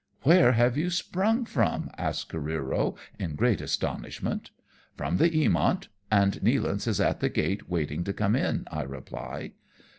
" Where have you sprung from ?" asks Careero in great astonishment. " From the Eamont, and Nealance is at the gate waiting to come in/' I reply.